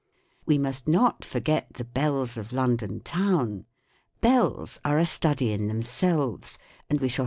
We must not forget the bells of London Town. Bells are a study in themselves, and we shall FIG.